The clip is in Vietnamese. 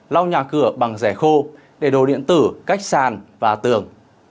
lau nhà cửa bằng rẻ khô để đồ điện tử cách sàn và tường